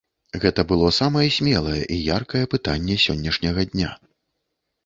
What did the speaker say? Гэта было самае смелае і яркае пытанне сённяшняга дня.